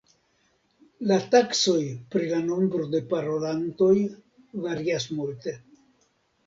La taksoj pri la nombro de parolantoj varias multe.